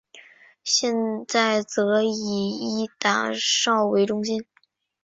现在则以伊达邵为中心。